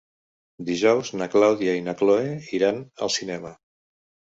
Dijous na Clàudia i na Cloè iran al cinema.